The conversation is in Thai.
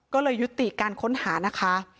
ก็เลยยุติการค้นหานะคะ